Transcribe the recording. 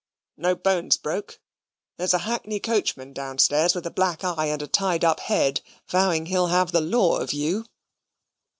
"No bones broke? There's a hackney coachman downstairs with a black eye, and a tied up head, vowing he'll have the law of you."